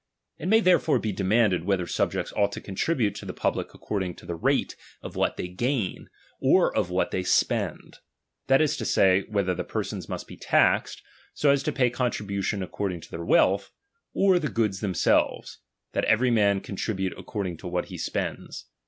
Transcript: It may therefore be demanded, whether subjects ought to contribute to the public accord ing to the rate of what they gain, or of what they spend : that is to say, whether the persons must be taxed, so as to pay contribution according to their wealth ; or the goods themselves, that every man contribute according to what he spends.